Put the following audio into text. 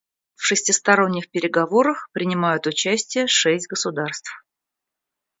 В шестисторонних переговорах принимают участие шесть государств.